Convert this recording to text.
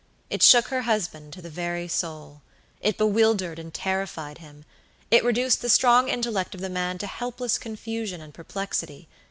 It shook her husband to the very soul. It bewildered and terrified him. It reduced the strong intellect of the man to helpless confusion and perplexity.